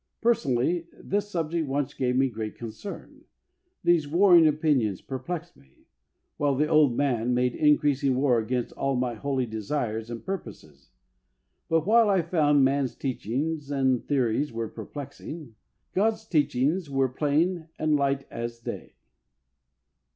Personally, this subject once gave me great concern. These warring opinions perplexed me, while the " old man" made increasing war against all my holy desires and purposes. But while I found man's teachings and theories were perplexing, God's teachings were plain and light as day.